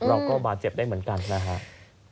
เราก็บาดเจ็บได้เหมือนกันนะครับ